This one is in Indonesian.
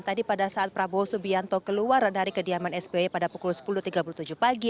tadi pada saat prabowo subianto keluar dari kediaman sby pada pukul sepuluh tiga puluh tujuh pagi